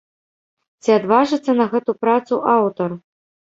Ці адважыцца на гэту працу аўтар?